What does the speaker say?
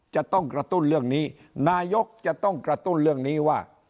จะต้องกระตุ้นเรื่องนี้นายกจะต้องกระตุ้นเรื่องนี้ว่า